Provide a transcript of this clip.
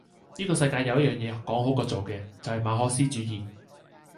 依個世界有一樣野講好過做嘅，就係馬可思主義!